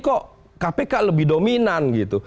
kok kpk lebih dominan gitu